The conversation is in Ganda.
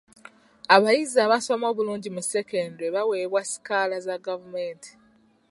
Abayizi abasoma obulungi mu sekendule baweebwa sikaala za gavumenti.